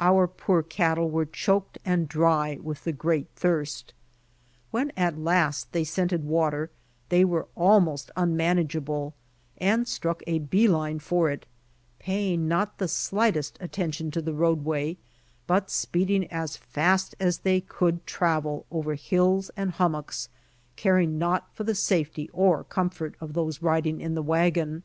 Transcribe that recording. Our poor cattle were choked and dry with the great thirst. When at last they scented water they were almost unmanageable, and struck a bee line for it, pay ing not the slightest attention to the roadway, but speeding as fast as they could travel over hills and hummocks, caring naught for the safety or comfort of those riding in the wagon.